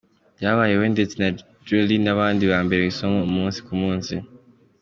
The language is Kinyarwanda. Yaba we ndetse na Jolly n’abandi bambera isomo umunsi ku munsi.